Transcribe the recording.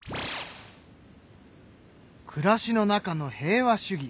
暮らしの中の平和主義